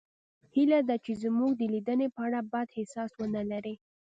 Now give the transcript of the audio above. هیله ده چې زموږ د لیدنې په اړه بد احساس ونلرئ